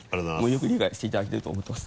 よく理解していただけてると思ってます。